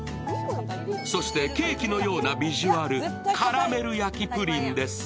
そしてケーキのようなビジュアルカラメル焼プリンです。